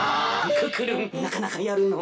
クックルンなかなかやるのう。